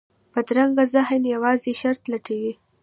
بدرنګه ذهن یوازې شر لټوي